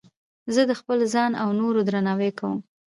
زه د خپل ځان او نورو درناوی کوم.